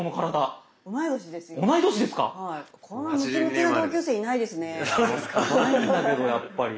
ヤバいんだけどやっぱり。